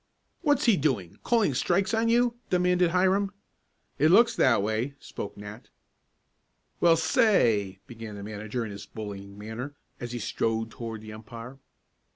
"What's he doing, calling strikes on you?" demanded Hiram. "It looks that way," spoke Nat. "Well, say " began the manager in his bullying manner, as he strode toward the umpire.